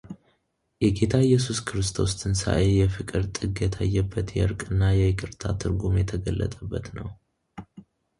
የጌታ ኢየሱስ ክርስቶስ ትንሣኤ የፍቅር ጥግ የታየበት የዕርቅና የይቅርታ ትርጉም የተገለጠበት ነው